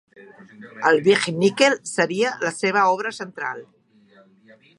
El Big Nickel seria la seva obra central.